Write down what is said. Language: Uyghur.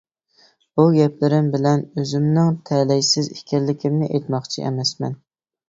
بۇ گەپلىرىم بىلەن ئۆزۈمنىڭ تەلەيسىز ئىكەنلىكىمنى ئېيتماقچى ئەمەسمەن.